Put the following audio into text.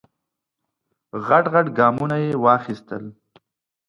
غټ غټ ګامونه یې واخیستل.